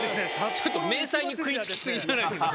ちょっと迷彩に食い付き過ぎじゃないかな。